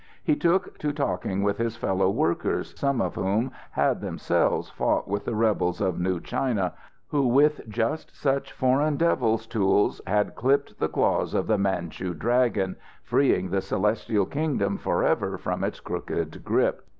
He took to talking with his fellow workers, some of whom had themselves fought with the rebels of New China, who, with just such Foreign Devils' tools, had clipped the claws of the Manchu Dragon, freeing the Celestial Kingdom forever from its crooked grip.